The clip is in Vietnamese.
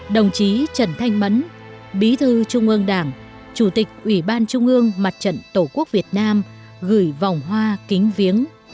đồng chí trần thanh mẫn bí thư trung ương đảng chủ tịch ủy ban trung ương mặt trận tổ quốc việt nam gửi vòng hoa kính viếng